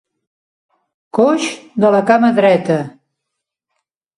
Coix de la cama dreta.